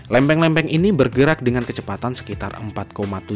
lempeng lempeng ini bergerak dengan kecepatan sekitar empat tujuh meter